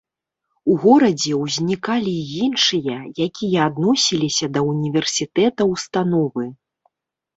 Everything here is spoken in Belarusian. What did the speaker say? У горадзе ўзнікалі і іншыя, якія адносіліся да ўніверсітэта ўстановы.